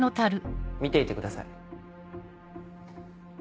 見ていてください。